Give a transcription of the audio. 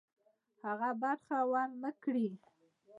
هغه برخه ورنه کړي.